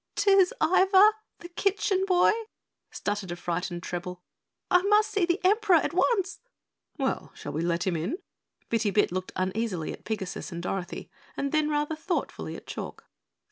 "'Tis I Iva the Kitchen Boy!" stuttered a frightened treble. "I must see the Emperor at once." "Well, shall we let him in?" Bitty Bit looked uneasily at Pigasus and Dorothy and then rather thoughtfully at Chalk.